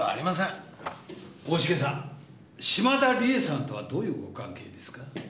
大重さん嶋田理恵さんとはどういうご関係ですか？